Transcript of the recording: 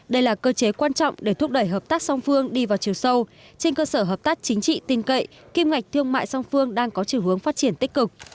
đây là cơ chế quan trọng để thúc đẩy hợp tác song phương đi vào chiều sâu trên cơ sở hợp tác chính trị tin cậy kim ngạch thương mại song phương đang có chiều hướng phát triển tích cực